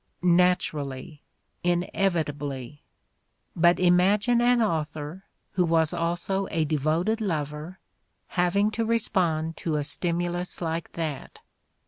Naturally, in evitably ; but imagine an author, who was also a devoted lover, having to respond to a stimulus like that!